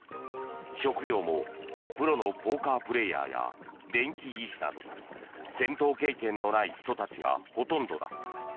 職業もプロのポーカープレーヤーや電気技師など戦闘経験のない人たちがほとんどだ。